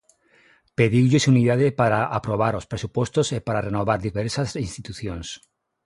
Pediulles unidade para aprobar os presupostos e para renovar diversas institucións.